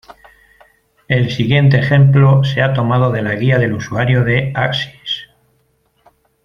El siguiente ejemplo se ha tomado de la guía del usuario de Axis.